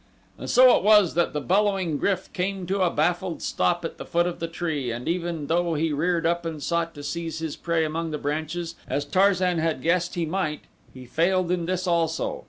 And so it was that the bellowing GRYF came to a baffled stop at the foot of the tree and even though he reared up and sought to seize his prey among the branches, as Tarzan had guessed he might, he failed in this also.